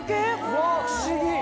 うわ不思議。